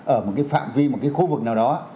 ở một cái phạm vi một cái khu vực nào đó